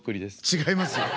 違いますよ。